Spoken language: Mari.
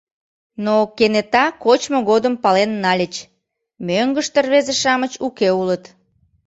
Но кенета кочмо годым пален нальыч: мӧҥгыштӧ рвезе-шамыч уке улыт.